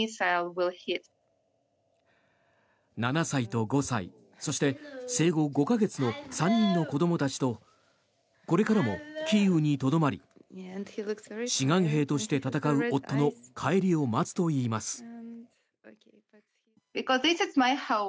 ７歳と５歳、そして生後５か月の３人の子どもたちとこれからもキーウにとどまり志願兵として戦う夫の帰りを待つといいます。